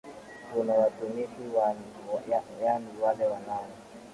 tuna watumishi yaani wale wanao